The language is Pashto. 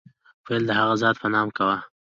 پیل د هغه ذات په نامه کوم.